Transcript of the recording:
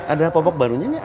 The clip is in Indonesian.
ada popok baru nya nya